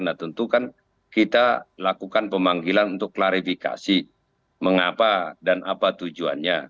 nah tentu kan kita lakukan pemanggilan untuk klarifikasi mengapa dan apa tujuannya